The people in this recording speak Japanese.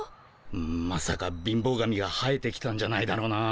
まさか貧乏神が生えてきたんじゃないだろうな。